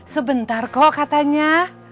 sebentar kok katanya